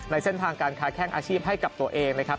เส้นทางการค้าแข้งอาชีพให้กับตัวเองนะครับ